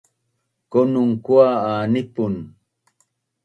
Konun kua’ a nipun